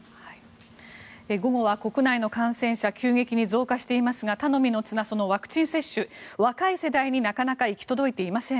午後は国内の感染者急激に増加していますが頼みの綱のワクチン接種若い世代になかなか行き届いていません。